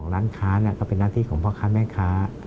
และอเป็นหน้าที่ของพ่อค้าแม่คร้า